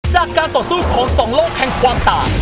จากการต่อสู้ของสองโลกแห่งความต่าง